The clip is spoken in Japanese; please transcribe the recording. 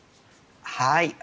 はい。